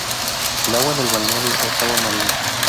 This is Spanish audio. El agua del balneario es agua marina.